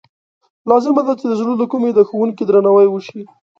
لازمه ده چې د زړه له کومې د ښوونکي درناوی وشي.